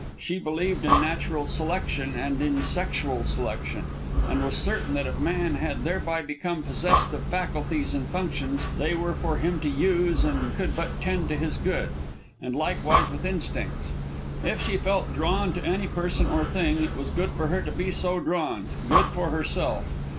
She believed in natural selection and in sexual selection, and was certain that if man had thereby become possessed of faculties and functions, they were for him to use and could but tend to his good. And likewise with instincts. If she felt drawn to any person or thing, it was good for her to be so drawn, good for herself.